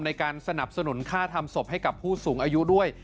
ในการสนับสนุนค่าทำศพให้กับผู้สูงอายุด้วย